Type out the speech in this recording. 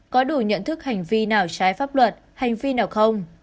có đủ nhận thức hành vi nào trái pháp luật hành vi nào không